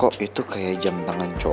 kop itu kayak jam tangan cowok